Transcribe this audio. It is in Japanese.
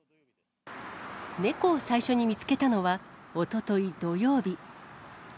猫を最初に見つけたのは、おととい土曜日。